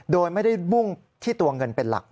โดยไม่ได้มุ่งที่ตัวเงินเป็นหลัก